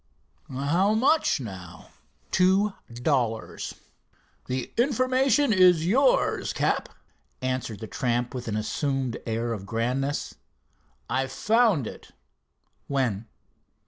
"How much now?" "Two dollars." "The information is yours, Cap," answered the tramp, with an assumed air of grandness. "I found it." "When?"